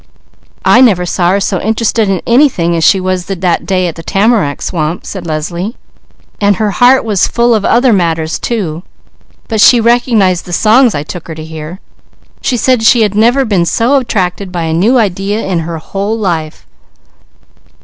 "I never saw her so interested in anything as she was that day at the tamarack swamp," said Leslie, "and her heart was full of other matters too; but she recognized the songs I took her to hear. She said she never had been so attracted by a new idea in her whole life."